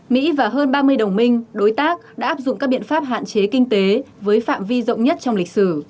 mỹ và hơn ba mươi đồng minh đối tác đã áp dụng các biện pháp hạn chế kinh tế với phạm vi rộng nhất trong lịch sử